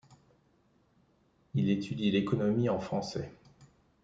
Il étudie l'économie en français.